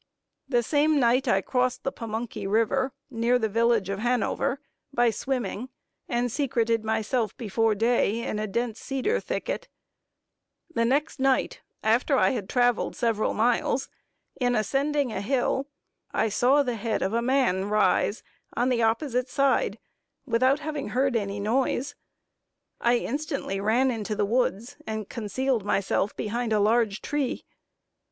The same night I crossed the Pammunky river, near the village of Hanover by swimming, and secreted myself before day in a dense cedar thicket. The next night, after I had traveled several miles, in ascending a hill I saw the head of a man rise on the opposite side, without having heard any noise. I instantly ran into the woods, and concealed myself behind a large tree.